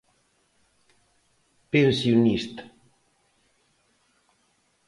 Pensionista.